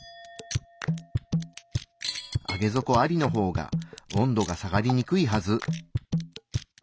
上げ底ありの方が温度が下がりにくいはず。